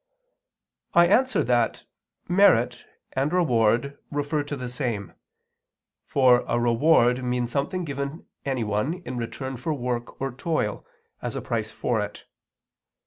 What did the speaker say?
I answer that, Merit and reward refer to the same, for a reward means something given anyone in return for work or toil, as a price for it.